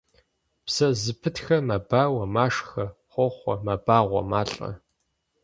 Псэ зыпытхэр мэбауэ, машхэ, хохъуэ, мэбагъуэ, малӀэ.